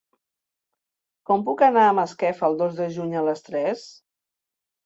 Com puc anar a Masquefa el dos de juny a les tres?